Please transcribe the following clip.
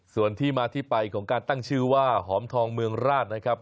ส่วนที่มาที่ไปของการตั้งชื่อว่าหอมทองเมืองราชนะครับ